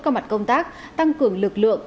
các mặt công tác tăng cường lực lượng